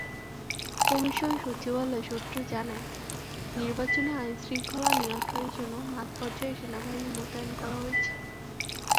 Commission সচিবালয় সূত্র জানায়, নির্বাচনে আইনশৃঙ্খলা নিয়ন্ত্রণের জন্য মাঠপর্যায়ে সেনাবাহিনী মোতায়েন করা হয়েছে।